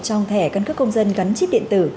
trong thẻ căn cước công dân gắn chip điện tử